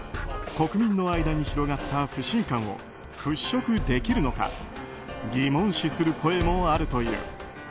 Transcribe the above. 国民の間に広がった不信感を払拭できるのか疑問視する声もあるという。